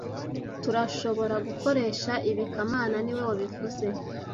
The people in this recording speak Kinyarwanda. Turashobora gukoresha ibi kamana niwe wabivuze